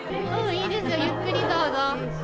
いいですよ、ゆっくりどうぞ。